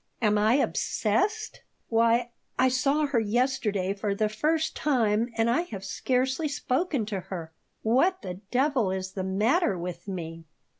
"Am I obsessed? Why, I saw her yesterday for the first time and I have scarcely spoken to her. What the devil is the matter with me?"